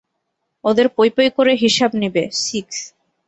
ওদের পই পই করে হিসাব নিবে, সিক্স।